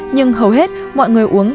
nhưng hầu hết mọi người uống